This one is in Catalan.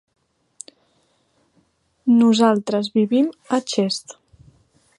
Nosaltres vivim a Xest.